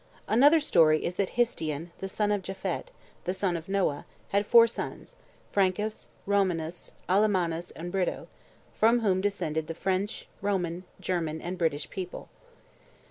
Another story is that Histion, the son of Japhet, the son of Noah, had four sons, Francus, Romanus, Alemannus, and Britto, from whom descended the French, Roman, German, and British people.